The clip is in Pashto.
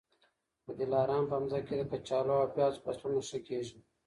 د دلارام په مځکي کي د کچالو او پیازو فصلونه ښه کېږي.